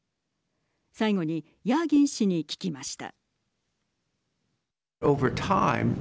最後にヤーギン氏に聞きました。